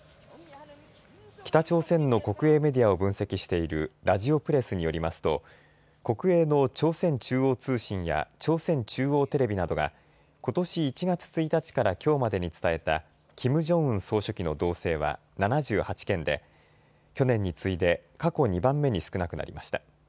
北朝鮮の国営メディアを分析しているラヂオプレスによりますと国営の朝鮮中央通信や朝鮮中央テレビなどがことし１月１日からきょうまでに伝えたキム・ジョンウン総書記の動静は７８件で、去年に次いで過去２番目に少なくなりました。